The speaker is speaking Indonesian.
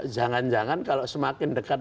jangan jangan kalau semakin dekat